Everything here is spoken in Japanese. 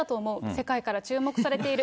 世界から注目されている。